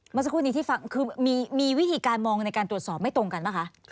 เมื่อสักครู่นี้ที่ฟังคือมีวิธีการมองในการตรวจสอบไม่ตรงกันป่ะคะ